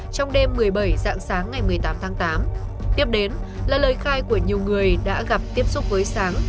trong đêm một mươi bảy dạng sáng ngày một mươi tám tháng tám tiếp đến là lời khai của nhiều người đã gặp tiếp xúc với sáng